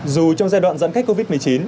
dù trong giai đoạn giãn cách covid một mươi chín